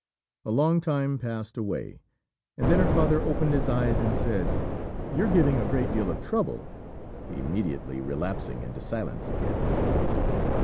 A long time passed away, and then her father opened his eyes and said, "You're giving a great deal of trouble," immediately relapsing into silence again.